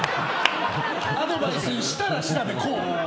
アドバイスしたら、こう！